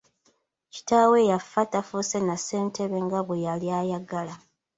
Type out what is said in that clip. Kitaawe yaffa tafuuse na ssentebe nga bwe yali ayagala.